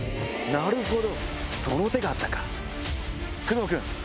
なるほど。